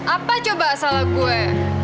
apa coba salah gue